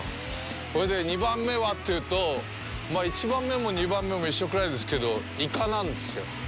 それで、２番目はというと、まあ、１番目も２番目も一緒くらいですけど、イカなんですよ。